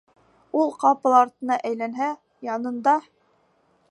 Ул ҡапыл артына әйләнһә, янында: